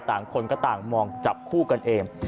คนก็ต่างมองจับคู่กันเอง